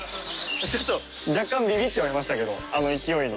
ちょっと若干ビビってはいましたけどあの勢いに。